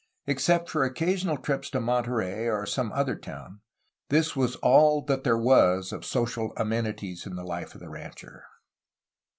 Except for occasional trips to Monterey or some other town, this was all that there was of social amenities in the life of the rancher.